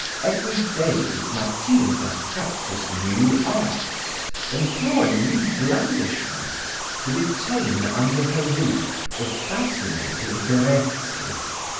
Every day did Matilda practise new arts, employ new blandishments, to detain under her roof the fascinated Verezzi.